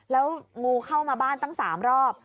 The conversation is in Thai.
แล้วงูเข้ามาบ้านตั้ง๓รอบ